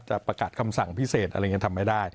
ประกาศคำสั่งพิเศษอะไรอย่างนี้ทำไม่ได้